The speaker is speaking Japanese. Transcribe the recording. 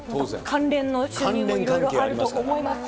関連の収入もいろいろあると思います。